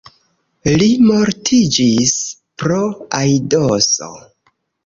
Li mortiĝis pro aidoso.